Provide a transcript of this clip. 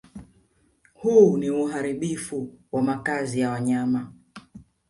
Huu ni uharibifu wa makazi ya wanyama